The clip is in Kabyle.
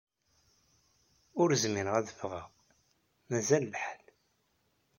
Ur zmireɣ ad ffɣeɣ. Mazal lḥal.